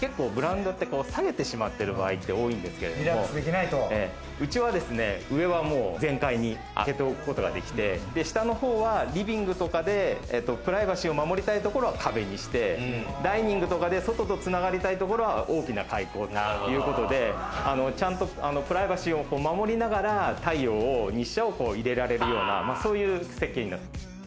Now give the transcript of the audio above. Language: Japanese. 結構、ブラインドって下げてしまってる場合が多いんですけれども、うちはですね、上は全開に開けておくことができて、下の方はリビングとかで、プライバシーを守りたいところは壁にして、ダイニングとかで外と繋がりたいところは、大きな開口ということで、ちゃんとプライバシーを守りながら、太陽を日射を入れられるような、そういう設計になっている。